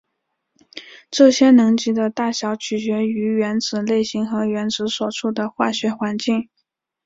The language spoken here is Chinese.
这些能级的大小取决于原子类型和原子所处的化学环境。